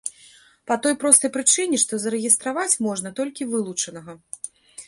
Па той простай прычыне, што зарэгістраваць можна толькі вылучанага.